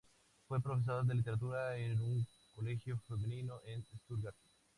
Fue profesor de literatura en un colegio femenino en Stuttgart.